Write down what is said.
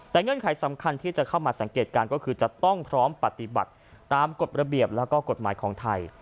แต่เงื่อนไขสำคัญที่จะเข้ามาสังเกตการณ์ก็คือจะต้องพร้อมปฏิบัติตามกฎระเบียบแล้วก็กฎหมายของไทย